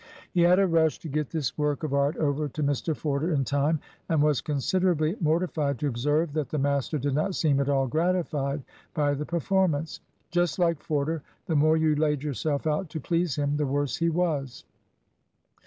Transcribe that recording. He had a rush to get this work of art over to Mr Forder in time, and was considerably mortified to observe that the master did not seem at all gratified by the performance. Just like Forder! the more you laid yourself out to please him, the worse he was.